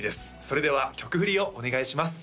それでは曲振りをお願いします